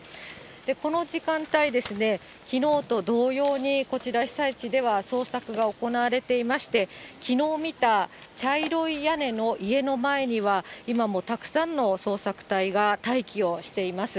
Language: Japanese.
この時間帯、きのうと同様にこちら、被災地では捜索が行われていまして、きのう見た茶色い屋根の家の前には、今もたくさんの捜索隊が待機をしています。